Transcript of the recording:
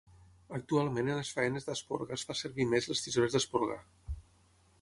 Actualment en les feines d'esporga es fa servir més les tisores d'esporgar.